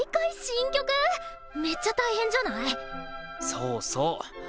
そうそう。